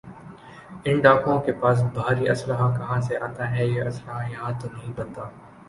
ان ڈاکوؤں کے پاس بھاری اسلحہ کہاں سے آتا ہے یہ اسلحہ یہاں تو نہیں بنتا